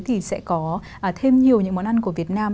thì sẽ có thêm nhiều những món ăn của việt nam